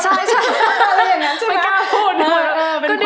ใช่ไม่กล้าพูด